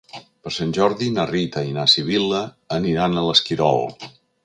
Per Sant Jordi na Rita i na Sibil·la aniran a l'Esquirol.